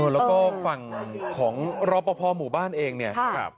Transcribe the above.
แล้วก็ฝั่งของรอปภหมู่บ้านเองเนี่ย